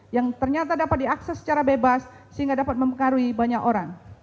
yang ternyata dapat diakses secara bebas sehingga dapat mempengaruhi banyak orang